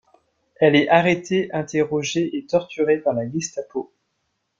Elle est arrêtée, interrogée et torturée par la Gestapo.